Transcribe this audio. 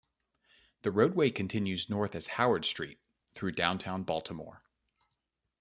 The roadway continues north as Howard Street through downtown Baltimore.